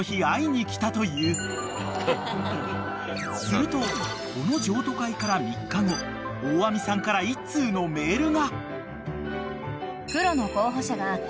［するとこの譲渡会から３日後大網さんから１通のメールが］